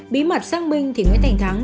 bí mật xác minh thì nguyễn thành thắng